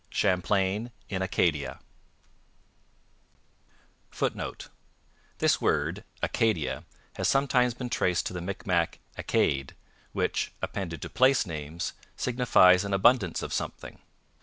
CHAMPLAIN IN ACADIA [Footnote: This word (Acadia) has sometimes been traced to the Micmac akade, which, appended to place names, signifies an abundance of something.